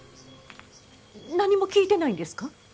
何も聞いてないんですか？